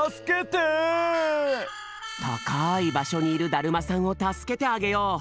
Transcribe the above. たかいばしょにいるだるまさんをたすけてあげよう。